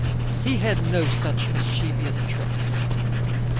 He had no such mischievous tricks.